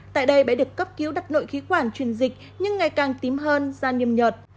tại đây bé được cấp cứu đặt nội khí quản truyền dịch nhưng ngày càng tím hơn da niêm nhọt